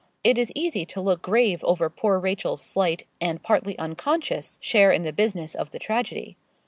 It is easy to look grave over poor Rachel's slight, and partly unconscious, share in the business of the tragedy.